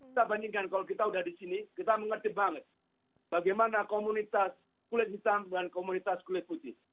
kita bandingkan kalau kita udah di sini kita mengerti banget bagaimana komunitas kulit hitam dan komunitas kulit putih